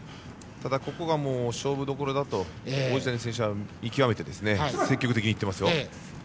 ただ、ここは勝負どころだと王子谷選手は見極めて積極的にいっていますよ。